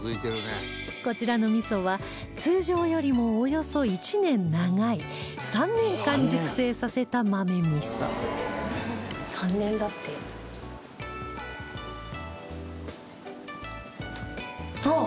こちらの味噌は通常よりもおよそ１年長い３年間熟成させた豆味噌あっ！